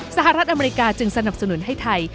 สหรัฐอเมริกาจึงสนับสนุนให้ไทย